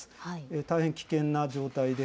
大変危険な状態です。